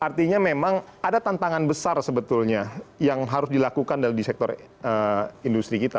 artinya memang ada tantangan besar sebetulnya yang harus dilakukan dari sektor industri kita